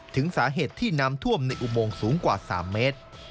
ถึงสาเหตุที่น้ำท่วมในอุโมงสูงกว่า๓เมตร